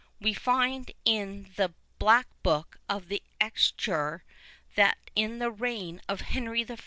We find in the Black Book of the Exchequer, that in the reign of Henry I.